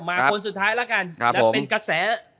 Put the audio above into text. คนสุดท้ายแล้วกันและเป็นกระแส